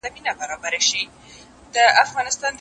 په ډکي هدیرې دي نن سبا په کرنتین کي